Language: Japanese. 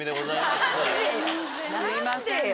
すいませんね